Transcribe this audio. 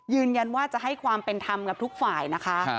ยืนยันว่าจะให้ความเป็นธรรมกับทุกฝ่ายนะคะ